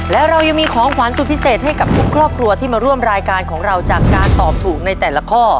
และเรายังมีของขวัญสุดพิเศษให้กับทุกครอบครัวที่มาร่วมรายการของเราจากการตอบถูกในแต่ละข้อ